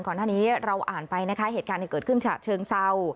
ก่อนหน้านี้เราอ่านไปนะคะเหตุการณ์ที่เกิดขึ้นฉะเชิงเศร้า